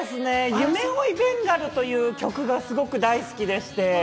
『夢追いベンガル』という曲がすごく大好きです。